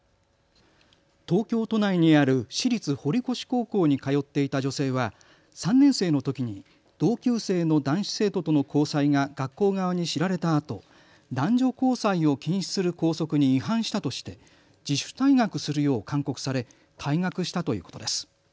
東京都内にある私立堀越高校に通っていた女性は３年生のときに同級生の男子生徒との交際が学校側に知られたあと男女交際を禁止する校則に違反したとして自主退学するよう勧告され退学したということです。